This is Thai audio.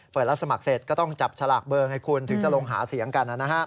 รับสมัครเสร็จก็ต้องจับฉลากเบอร์ให้คุณถึงจะลงหาเสียงกัน